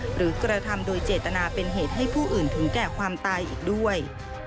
กระทำโดยเจตนาเป็นเหตุให้ผู้อื่นถึงแก่ความตายอีกด้วย